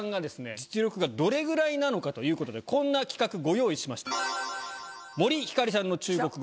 実力がどれぐらいなのかということでこんな企画ご用意しました。